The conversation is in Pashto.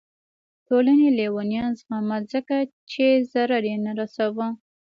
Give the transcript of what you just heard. ټولنې لیونیان زغمل ځکه چې ضرر یې نه رسوه.